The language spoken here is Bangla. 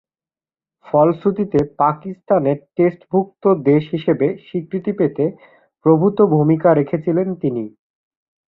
ফলশ্রুতিতে, পাকিস্তানের টেস্টভূক্ত দেশ হিসেবে স্বীকৃতি পেতে প্রভূতঃ ভূমিকা রেখেছিলেন তিনি।